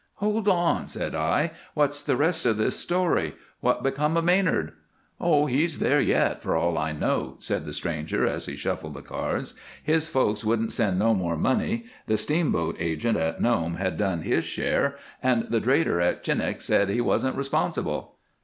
"Hold on!" said I. "What's the rest of this story? What became of Manard?" "Oh, he's there yet, for all I know," said the stranger as he shuffled the cards. "His folks wouldn't send no more money, the steamboat agent at Nome had done his share, and the trader at Chinik said he wasn't responsible."